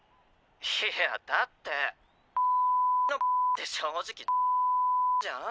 「いやあだってのって正直じゃん？」